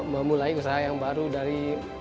memulai usaha yang baru dari